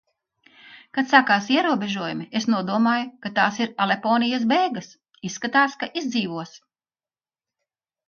Kad sākās ierobežojumi, es nodomāju, ka tās ir Aleponijas beigas. Izskatās, ka izdzīvos.